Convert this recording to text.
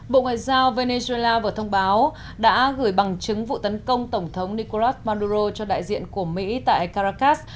bộ ngoại giao venezuela vừa thông báo đã gửi bằng chứng vụ tấn công tổng thống nicolas manduro cho đại diện của mỹ tại caracas